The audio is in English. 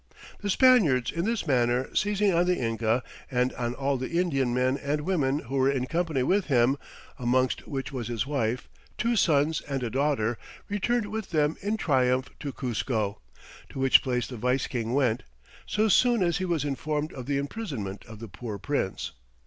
The Spaniards in this manner seizing on the Inca, and on all the Indian Men and Women, who were in Company with him, amongst which was his Wife, two Sons, and a Daughter, returned with them in Triumph to Cuzco; to which place the Vice King went, so soon as he was informed of the imprisonment of the poor Prince."